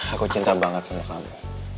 aku cinta banget sama kalian